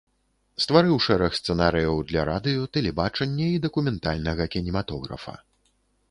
Стварыў шэраг сцэнарыяў для радыё, тэлебачання і дакументальнага кінематографа.